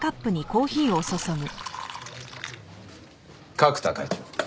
角田課長。